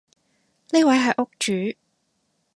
呢位係屋主